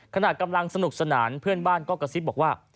ขณะกำลังสนุกสนานเพื่อนบ้านก็กระซิบบอกว่า